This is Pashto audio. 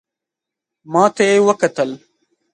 ماته یې وکتل .